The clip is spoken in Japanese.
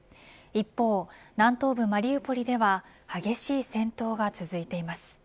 一方、南東部マリウポリでは激しい戦闘が続いています。